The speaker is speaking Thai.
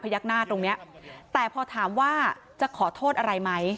ยักหน้าตรงเนี้ยแต่พอถามว่าจะขอโทษอะไรไหม